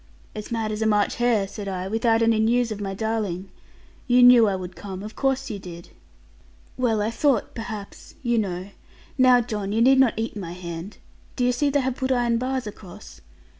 'As mad as a March hare,' said I, 'without any news of my darling. You knew I would come: of course you did.' 'Well, I thought, perhaps you know: now, John, you need not eat my hand. Do you see they have put iron bars across?'